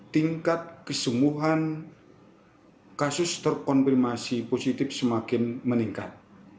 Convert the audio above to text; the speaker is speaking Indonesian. tingkat kesembuhan kasus terkonfirmasi positif semakin meningkat